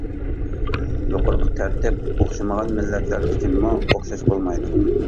يۇقىرىقى تەرتىپ ئوخشىمىغان مىللەتلەر ئۈچۈنمۇ ئوخشاش بولمايدۇ.